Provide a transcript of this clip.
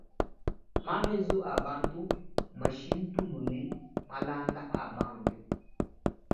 Ma rezo a bantu mmashintulule malanda a bantu.